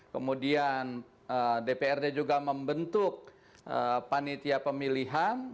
kemudian dprd juga membentuk panitia pemilihan